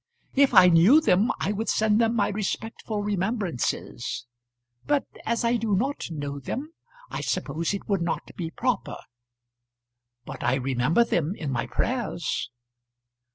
If I knew them I would send them my respectful remembrances, but as I do not know them I suppose it would not be proper. But I remember them in my prayers.